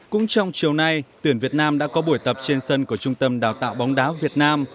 cũng trong chiều nay tuyển việt nam đã có buổi tập trên sân của trung tâm đào tạo bóng đá việt nam